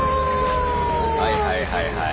はいはいはいはい。